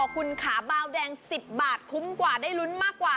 คุณขาบาวแดง๑๐บาทคุ้มกว่าได้ลุ้นมากกว่า